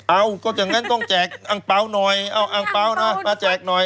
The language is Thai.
เอาก็อย่างนั้นต้องแจกอังเปล่าหน่อยเอาอังเปล่านะมาแจกหน่อย